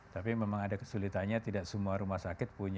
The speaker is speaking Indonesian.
tapi memang ada kesulitannya tidak semua rumah sakit punya